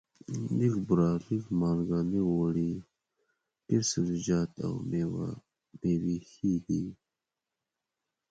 لږه بوره، لږه مالګه، لږ غوړي، ډېر سبزیجات او مېوې ښه دي.